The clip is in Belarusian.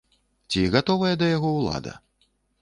Ці гатовая да яго ўлада?